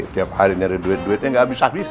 tiap hari nyari duit duitnya ga abis abis